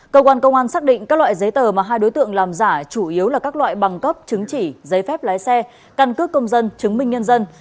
cơ quan công an xác định các loại giấy tờ mà hai đối tượng làm giả chủ yếu là các loại bằng cấp chứng chỉ giấy phép lái xe căn cước công dân chứng minh nhân dân